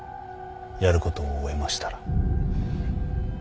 やることを終えましたら。